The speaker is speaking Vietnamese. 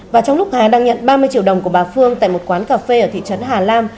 và trong lúc hà đang nhận ba mươi triệu đồng của bà phương tại một quán cà phê ở thị trấn hà lam